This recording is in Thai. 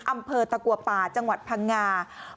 อำเภอตะกัวป่าจังหวัดพังงา